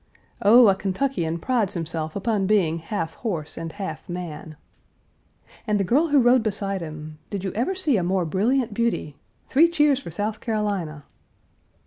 "Oh, a Kentuckian prides himself upon being half horse and half man!" "And the girl who rode beside him. Did you ever see a more brilliant beauty? Three cheers for South Carolina!!"